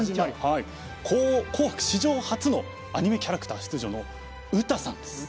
「紅白」史上初のアニメキャラクター出場のウタさんです。